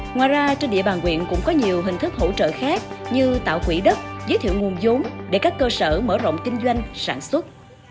ngoài ra trên địa bàn quyện cũng có nhiều hình thức hỗ trợ khác như tạo quỹ đất giới thiệu nguồn giống để các cơ sở mở rộng kinh doanh sản xuất